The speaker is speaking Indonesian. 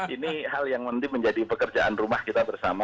ini hal yang nanti menjadi pekerjaan rumah kita bersama